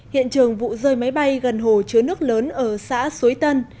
hiện trường vụ rơi máy bay gần hồ chứa nước lớn ở xã suối tân